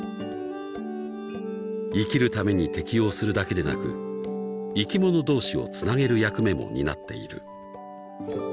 ［生きるために適応するだけでなく生き物同士をつなげる役目も担っている］